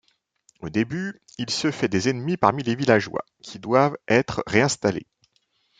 Au début, il se fait des ennemis parmi les villageois, qui doivent être réinstallés.